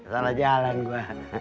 salah jalan gue